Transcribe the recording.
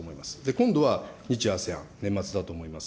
今度は日・ＡＳＥＡＮ、年末だと思います。